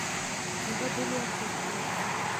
მიღებული აქვს ერთი ოსკარი.